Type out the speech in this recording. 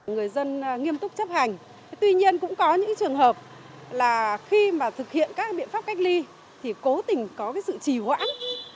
người dân nghiêm túc chấp hành tuy nhiên cũng có những trường hợp là khi mà thực hiện các biện pháp cách ly thì cố tình có sự trì hoãn